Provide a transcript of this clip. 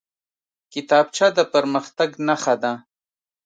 کتابچه د پرمختګ نښه ده